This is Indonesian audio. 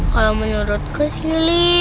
kalo menurutku sih li